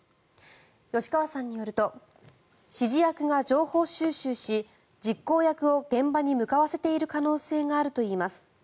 吉川さんによると指示役が情報収集し実行役を現場に向かわせている可能性があるといいます。